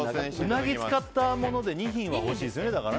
うなぎ使ったもので２品は欲しいですよね。